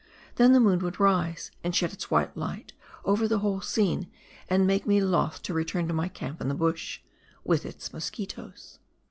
Then the moon would rise and shed its white light over the whole scene, and make me loth to return to my camp in the bush, with its mosquitoes.